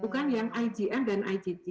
bukan yang igm dan igg